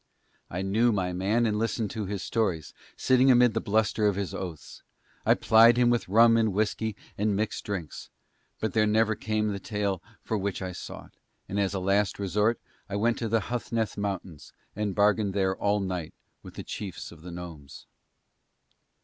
I knew my man and listened to his stories, sitting amid the bluster of his oaths; I plied him with rum and whiskey and mixed drinks, but there never came the tale for which I sought, and as a last resort I went to the Huthneth Mountains and bargained there all night with the chiefs of the gnomes.